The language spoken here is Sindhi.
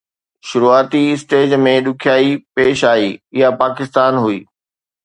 شروعاتي اسٽيج ۾ ڏکيائي پيش آئي، اها پاڪستان هئي